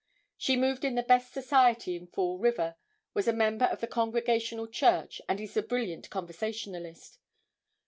She moved in the best society in Fall River, was a member of the Congregational church, and is a brilliant conversationalist.